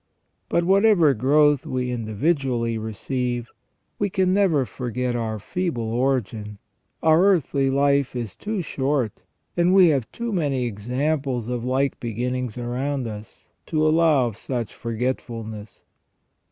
But whatever growth we individually receive, we can never forget our feeble origin ; our earthly life is too short, and we have too many examples of like beginnings around us, to allow of such forgetfulness.